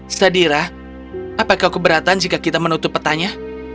sadira apakah keberatan jika kita menutup petanya